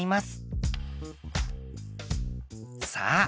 さあ